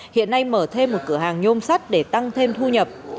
hiện nay mở thêm một cửa hàng nhôm sắt để tăng thêm thu nhập